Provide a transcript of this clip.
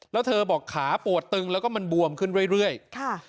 แล้วเธอบอกขาปวดตึงแล้วก็มันบวมขึ้นเรื่อยเรื่อยค่ะ